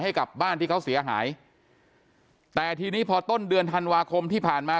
ให้กับบ้านที่เขาเสียหายแต่ทีนี้พอต้นเดือนธันวาคมที่ผ่านมา